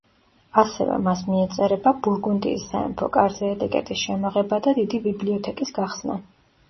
ასევე მას მიეწერება ბურგუნდიის სამეფო კარზე ეტიკეტის შემოღება და დიდი ბიბლიოთეკის გახსნა.